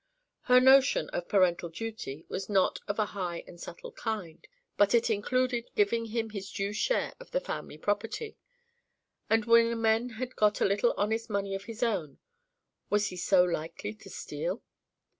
Her notion of parental duty was not of a high and subtle kind, but it included giving him his due share of the family property; for when a man had got a little honest money of his own, was he so likely to steal?